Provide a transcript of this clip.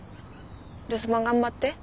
留守番頑張って。